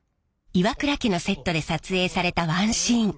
岩倉家のセットで撮影されたワンシーン。